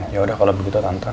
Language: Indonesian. ya udah kalau begitu tantra